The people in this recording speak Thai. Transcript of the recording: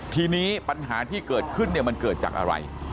ทีนี้ปัญหาที่เกิดขึ้นมันเกิดจากอะไร